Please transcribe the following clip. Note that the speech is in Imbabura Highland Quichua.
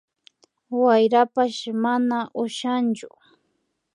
Wayrapash mana ushankachu